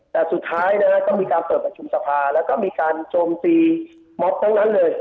แต่สุดท้ายนะฮะต้องมีการเปิดประชุมสภาแล้วก็มีการโจมตีมอบทั้งนั้นเลย